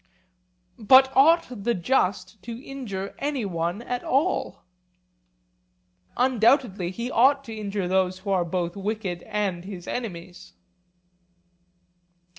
But ought the just to injure any one at all? Undoubtedly he ought to injure those who are both wicked and his enemies.